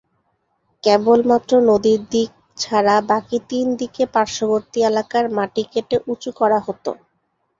কেবলমাত্র নদীর দিক ছাড়া বাকী তিন দিকে পার্শ্ববর্তী এলাকার মাটি কেটে উঁচু করা হতো।